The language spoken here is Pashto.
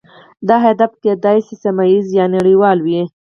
دا هدف کیدای شي سیمه ایز یا نړیوال وي